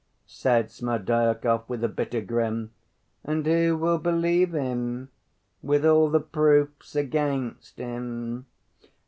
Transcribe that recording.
said Smerdyakov, with a bitter grin. "And who will believe him with all the proofs against him?